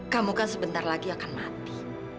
kamu kan sebentar lagi akan mati